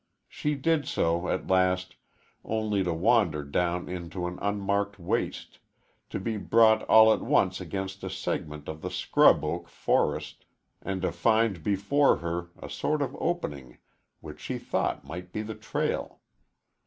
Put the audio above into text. She did so, at last, only to wander down into an unmarked waste, to be brought all at once against a segment of the scrub oak forest and to find before her a sort of opening which she thought might be the trail.